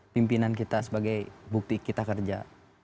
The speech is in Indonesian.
pimpinan kita sebagai bukti kita kerja